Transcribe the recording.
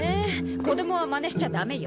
子どもはまねしちゃダメよ。